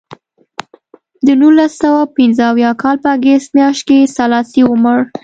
د نولس سوه پنځه اویا کال په اګست میاشت کې سلاسي ومړ.